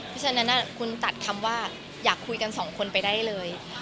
เพราะฉะนั้นคุณตัดคำว่าอยากคุยกันสองคนไปได้เลย